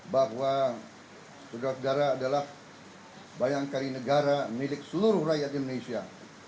bahwa saudara saudara adalah bayangkari negara milik seluruh rakyat indonesia